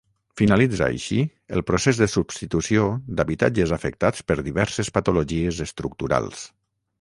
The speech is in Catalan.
Finalitza així el procés de substitució d'habitatges afectats per diverses patologies estructurals.